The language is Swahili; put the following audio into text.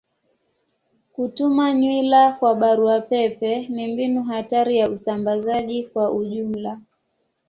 Kutuma nywila kwa barua pepe ni mbinu hatari ya usambazaji kwa ujumla.